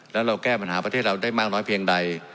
แล้วเราแก้ปัญหาประเทศเราได้มากน้อยเพียงใด